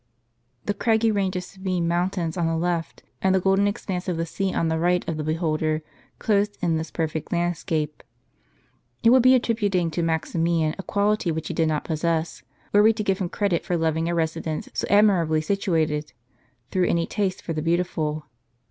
The craggy range of Sabine mountains on the left, and the golden expanse of the sea on the right of the beholder, closed in this perfect landscape. It would be attributing to Maximian a quality which he did not possess, were we to give him credit for loving a resi dence so admirably situated, through any taste for the beau tiful.